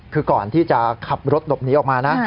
คือก่อนที่จะขับรถหลบหนีออกมานะ